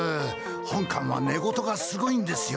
ホンカンは寝言がすごいんですよ